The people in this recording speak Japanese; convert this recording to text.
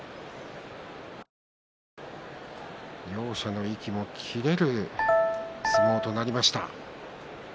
両者の息も切れる相撲となりました。